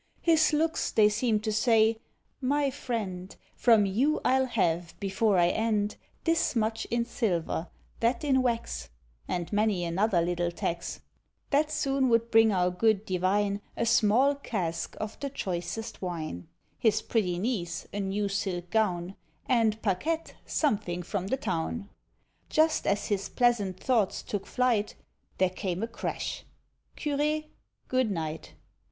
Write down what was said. His looks they seemed to say, "My friend, From you I'll have, before I end, This much in silver, that in wax," And many another little tax; That soon would bring our good divine A small cask of the choicest wine; His pretty niece a new silk gown, And Paquette something from the town. Just as his pleasant thoughts took flight, There came a crash... Curé, good night!